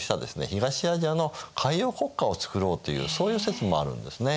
東アジアの海洋国家を作ろうというそういう説もあるんですね。